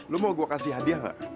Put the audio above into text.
lo mau gue kasih hadiah gak